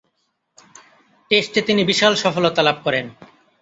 টেস্টে তিনি বিশাল সফলতা লাভ করেন।